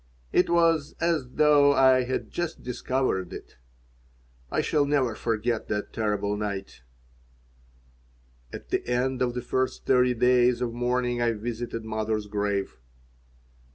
It was as though I had just discovered it. I shall never forget that terrible night At the end of the first thirty days of mourning I visited mother's grave.